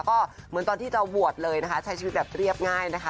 ก็เหมือนตอนที่จะบวชเลยนะคะใช้ชีวิตแบบเรียบง่ายนะคะ